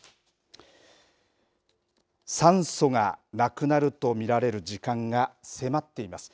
酸素がなくなると見られる時間が迫っています。